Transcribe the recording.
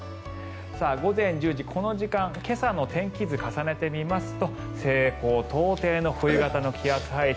午前１０時、この時間今朝の天気図、重ねてみますと西高東低の冬型の気圧配置。